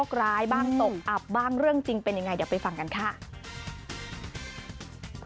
ทำไมคนบอกว่าเจอตลกแล้วทำไมคุณไม่เห็นคำเลย